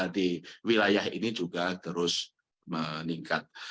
di wilayah ini juga terus meningkat